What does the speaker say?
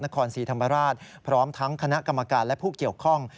นครศรีธรรมราชพร้อมทั้งคณะกรรมการและผู้เกี่ยวข้อง